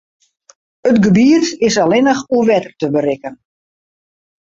It gebiet is allinnich oer wetter te berikken.